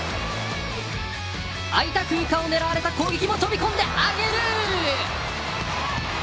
空いた空間を狙われた攻撃も飛び込んで上げる。